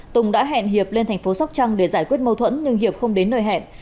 tùng đã hẹn hiệp lên thành phố sóc trăng để giải quyết mâu thuẫn nhưng hiệp không đến nơi hẹn